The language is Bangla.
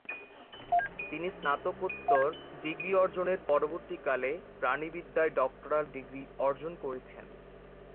তিনি স্নাতকোত্তর ডিগ্রি অর্জনের পরবর্তীকালে প্রাণিবিদ্যায় ডক্টরাল ডিগ্রি অর্জন করেছেন।